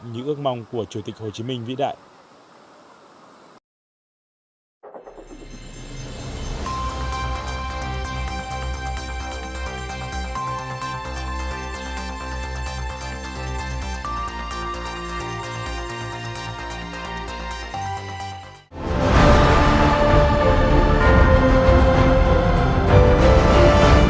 những ước mong của chủ tịch hồ chí minh vĩ đại